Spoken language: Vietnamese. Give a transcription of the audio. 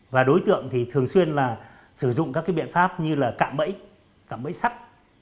và đối tượng thì thường xuyên là sử dụng các cái biện pháp như là cạm bẫy cạm bẫy sắt